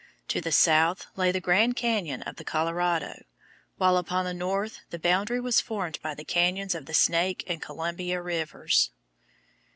To the south lay the Grand Cañon of the Colorado, while upon the north the boundary was formed by the cañons of the Snake and Columbia rivers.